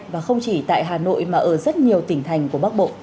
và không chỉ tại hà nội mà ở rất nhiều tỉnh thành của bắc bộ